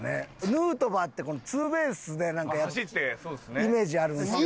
ヌートバーってツーベースでイメージあるんですけど。